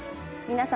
皆様